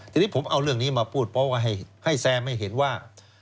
ทีนี้ผมเอาเรื่องนี้มาพูดเพราะว่าให้แซมให้เห็นว่า